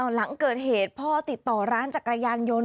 หลังเกิดเหตุพ่อติดต่อร้านจักรยานยนต์